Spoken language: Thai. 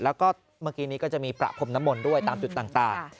แล้วก็เมื่อกี้นี้ก็จะมีประพรมน้ำมนต์ด้วยตามจุดต่าง